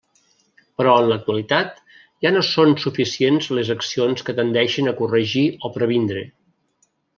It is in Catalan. Però en l'actualitat ja no són suficients les accions que tendeixen a corregir o previndre.